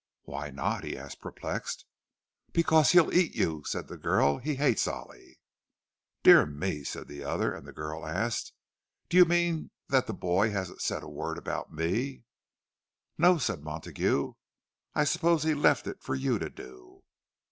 "Why not?" asked he, perplexed. "Because he'll eat you," said the girl. "He hates Ollie." "Dear me," said the other; and the girl asked, "Do you mean that the boy hasn't said a word about me?" "No," said Montague—"I suppose he left it for you to do."